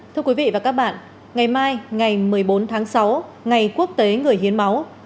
thưa quý vị và các bạn ngày mai ngày một mươi bốn tháng sáu ngày quốc tế người hiến máu